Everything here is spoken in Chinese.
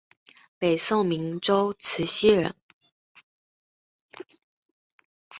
北宋明州慈溪人。